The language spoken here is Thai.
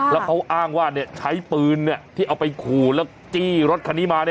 แล้วเขาอ้างว่าใช้ปืนที่เอาไปขู่แล้วจี้รถคันนี้มา